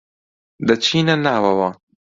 دەچینە ناوەوە.